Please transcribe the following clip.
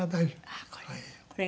あっこれ。